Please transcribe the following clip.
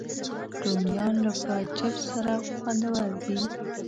رومیان له فرای چپس سره خوندور دي